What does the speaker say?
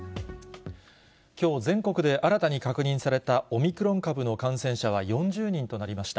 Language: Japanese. きょう、全国で新たに確認されたオミクロン株の感染者は４０人となりました。